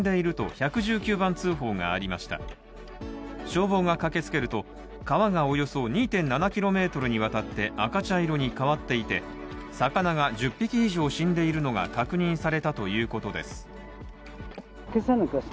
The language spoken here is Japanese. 消防が駆けつけると、川がおよそ２．７ｋｍにわたって赤茶色に変わっていて、魚が１０匹以上死んでいるのが確認されたということです。